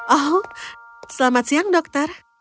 oh selamat siang dokter